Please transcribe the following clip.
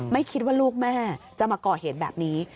ไม่คิดว่าลูกแม่จะมาก่อเหตุแบบนี้